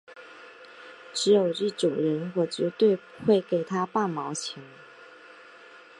只有一种人我绝对不会给他半毛钱